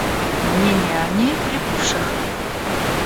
Мнения о ней прибывших.